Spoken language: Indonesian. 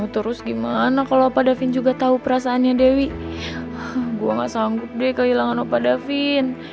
terus gimana kalo opa davin juga tahu perasaannya dewi gue enggak sanggup deh kehilangan opa davin